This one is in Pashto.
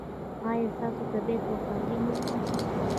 ایا ستاسو طبیعت به خوندي نه وي؟